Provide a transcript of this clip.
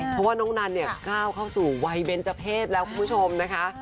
เพราะว่าน้องนันเนี่ยก้าวเข้าสู่วัยเบนเจอร์เพศแล้วคุณผู้ชมนะคะ